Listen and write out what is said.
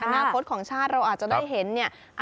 อนาคตของชาติเราอาจจะได้เห็นเนี่ย